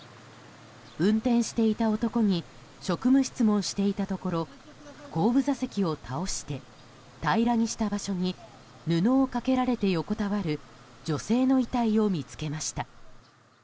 運転していた男に職務質問していたところ後部座席を倒して平らにした場所に布をかけられて横たわる女性の遺体を見つけました。